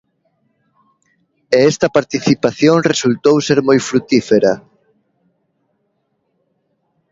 E esta participación resultou ser moi frutífera.